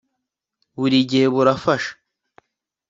burigihe burafasha